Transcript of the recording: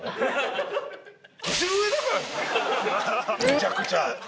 めちゃくちゃ。